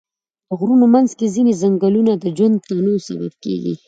د غرونو منځ کې ځینې ځنګلونه د ژوند د تنوع سبب دي.